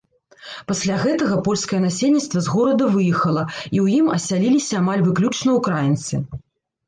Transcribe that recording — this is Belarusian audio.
Пасля гэтага польскае насельніцтва з горада выехала, і ў ім асяліліся амаль выключна ўкраінцы.